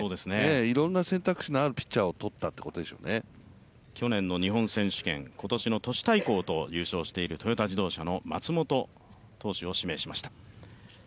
いろんな選択肢のあるピッチャーを取ったっていうことでしょうね去年の日本選手権、今年の都市対抗と優勝しているトヨタ自動車の松本投手を指名しました。